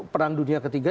perang dunia ketiga